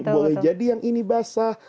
boleh jadi yang ini basah